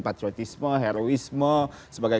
patriotisme heroisme sebagai